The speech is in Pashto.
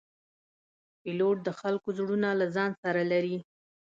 پیلوټ د خلکو زړونه له ځان سره لري.